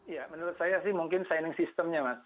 ya menurut saya sih mungkin signing system nya mas